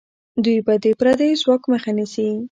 دوی به د پردیو ځواک مخه نیسي.